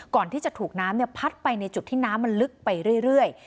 ก่อนที่จะถูกน้ำพัดไปในจุดที่น้ำมันลึกไปเรื่อย